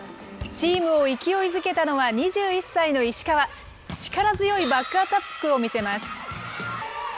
チームを勢いづけたのは２１歳の石川、力強いバックアタックを見せます。